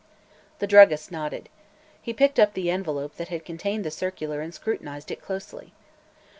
The druggist nodded. He picked up the envelope that had contained the circular and scrutinized it closely.